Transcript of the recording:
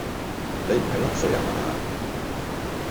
你唔係笠水呀嗎